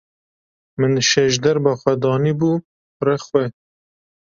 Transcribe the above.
Min şejderba xwe danî bû rex xwe.